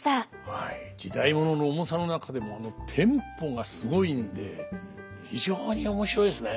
時代物の重さの中でもテンポがすごいんで非常に面白いですね。